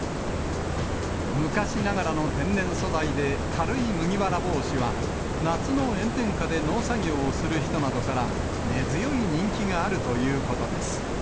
昔ながらの天然素材で、軽い麦わら帽子は、夏の炎天下で農作業をする人などから、根強い人気があるということです。